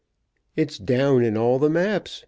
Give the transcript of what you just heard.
It's down in all the maps.